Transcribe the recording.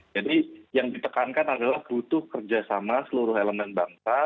jadi yang ditekankan adalah butuh kerjasama seluruh elemen bangsa